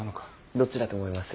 どっちだと思います？